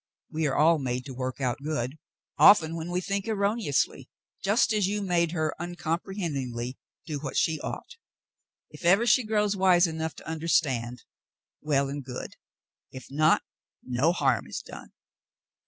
We are all made to work out £jood — often when we think erroneously, just as you made her uncomprehendingly do what she ought. If 100 The Mountain Girl ever she grows wise enough to understand, well and good ^ if not, no harm is done.'